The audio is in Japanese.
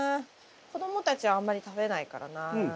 子供たちはあんまり食べないからな。